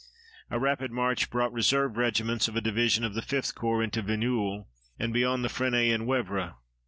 A rapid march brought reserve regiments of a division of the 5th Corps into Vigneulles and beyond Fresnes en Woevre.